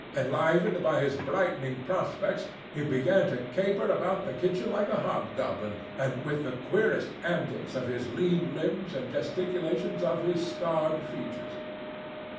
Enlivened by his brightening prospects, he began to caper about the kitchen like a hobgoblin, with the queerest antics of his lean limbs and gesticulations of his starved features.